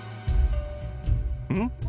うん？